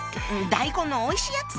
大根のおいしいやつ。